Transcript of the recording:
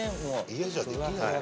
家じゃできない。